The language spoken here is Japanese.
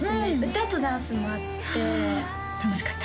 歌とダンスもあって楽しかった？